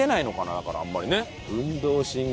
だからあんまりね。